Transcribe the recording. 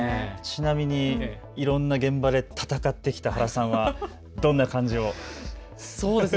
いろんな現場で戦ってきた原さんはどんな漢字を選びますか。